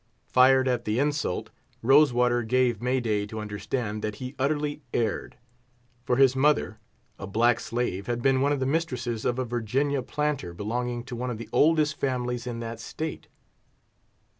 Fired at the insult, Rose water gave May day to understand that he utterly erred; for his mother, a black slave, had been one of the mistresses of a Virginia planter belonging to one of the oldest families in that state.